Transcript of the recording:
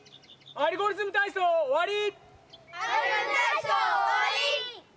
「アルゴリズムたいそう」おわり！